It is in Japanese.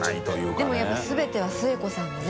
矢田）でもやっぱり全ては末子さんのね△